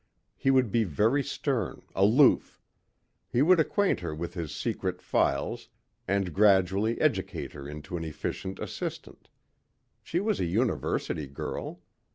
He would be very stern, aloof. He would acquaint her with his secret files and gradually educate her into an efficient assistant. She was a university girl.